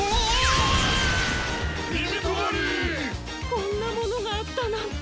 こんなものがあったなんて。